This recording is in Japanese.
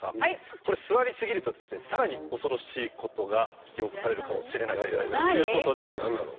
これ座りすぎるとですねさらに恐ろしいことが引き起こされるかもしれないということでこちら！